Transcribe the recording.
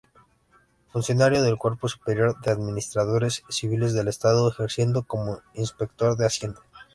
Funcionario del Cuerpo Superior de Administradores Civiles del Estado, ejerciendo como inspector de Hacienda.